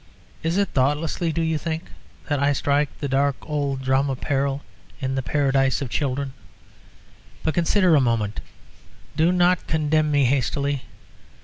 Is it thoughtlessly, do you think, that I strike the dark old drum of peril in the paradise of children? But consider a moment; do not condemn me hastily.